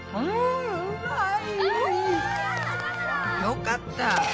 よかった。